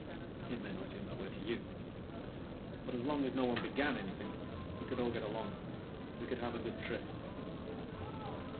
It may not seem that way to you. But as long as no one began anything, we could all get along. We could have a good trip.